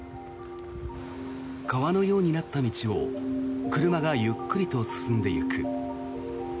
川のようになった道を車がゆっくりと進んでいく。